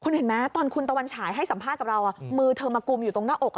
เห็นไหมตอนคุณตะวันฉายให้สัมภาษณ์กับเรามือเธอมากุมอยู่ตรงหน้าอก